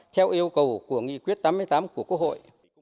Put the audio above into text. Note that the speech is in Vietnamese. theo yêu cầu của nghị quyết tám mươi tám của quốc hội